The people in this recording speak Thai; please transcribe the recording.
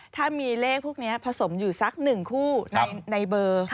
ถ้ามีเลขพวกนี้ผสมอยู่สัก๑คู่ในเบอร์